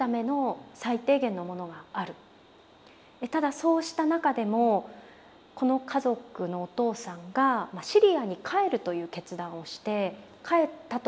ただそうした中でもこの家族のお父さんがシリアに帰るという決断をして帰ったということがあったんです。